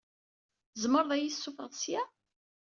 Tzemreḍ ad yi-d-tessufɣeḍ ssya?